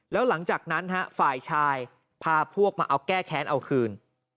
แล้วหลังจากนั้นฝ่ายชายพาพวกมาเอาแก้แค้นเอาคืน